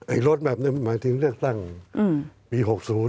ไอ้รถแบบนั้นหมายถึงเรียกตั้งปี๖๐